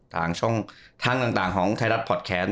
ทางช่องทางต่างของไทยรัฐพอร์ตแค้น